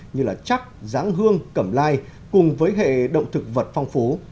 như chắc giáng hương cẩm lai cùng với hệ động thực vật phong phú